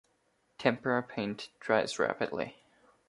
Tempera paint dries rapidly.